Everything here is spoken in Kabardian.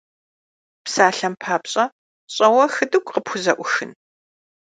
Псалъэм папщӀэ, щӀэуэ хытӀыгу къыпхузэӀухын?